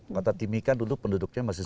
kota timika dulu penduduknya masih